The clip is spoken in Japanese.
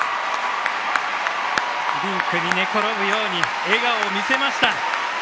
リンクに寝転ぶように笑顔を見せました。